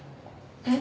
えっ？